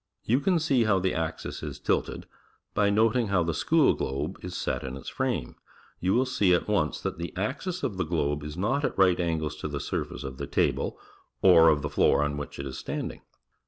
You can see how the axis is tilted, by noting how the school globe is set in its frame. You will see at once that the axis of the globe is not at right angles to the surface of the table or of the floor on which it is standing.